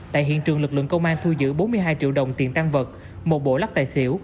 tại hiện trường lực lượng công an thu giữ bốn mươi hai triệu đồng tiền tăng vật một bộ lắc tài xỉu